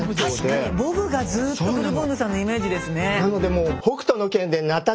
確かにボブがずっとブルボンヌさんのイメージですね。